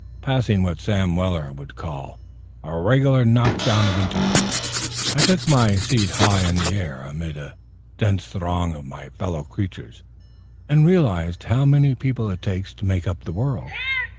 Passing what Sam Weller would call "a reg'lar knock down of intellect," I took my seat high in the air amid a dense throng of my fellow creatures, and realized how many people it takes to make up the world.